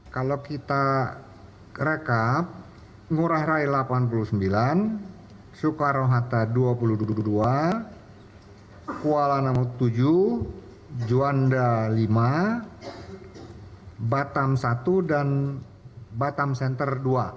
kalau kita rekap ngurah rai delapan puluh sembilan soekarohata dua puluh dua kuala nama tujuh juanda lima batam satu dan batam center dua